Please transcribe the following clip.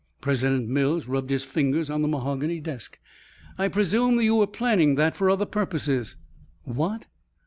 President Mills rubbed his fingers on the mahogany desk. "I presume you were planning that for other purposes?" "What!"